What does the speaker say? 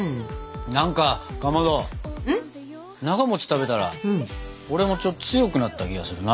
なが食べたら俺もちょっと強くなった気がするな。